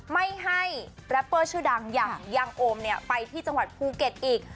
ไม่ให้แรปเปอร์ชื่อดังอย่างยางโอมไปที่จังหวัดภูเก็ตอีก